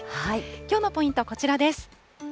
きょうのポイント、こちらです。